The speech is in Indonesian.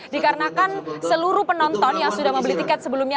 dikarenakan seluruh penonton yang sudah membeli tiket sebelumnya